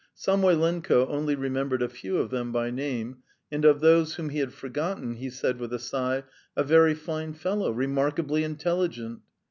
Samoylenko only remembered a few of them by name, and of those whom he had forgotten he said with a sigh: "A very fine fellow, remarkably intelligent!"